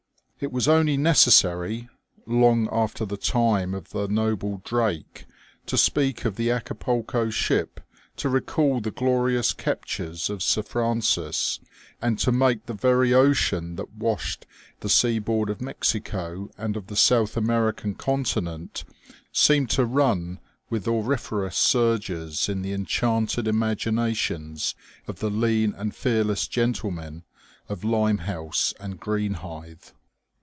It was only necessary, long after the time of the noble Drake, to speak of the Acapulco ship to recall the glorious captures of Sir Francis, and to make the very ocean that washed the seaboard of Mexico and of the South American conti nent seem to run with auriferous surges in the enchanted imaginations of the lean and fearless gentlemen of Limehouse and Greenhithe.